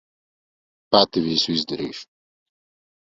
Pati visu izdarīšu.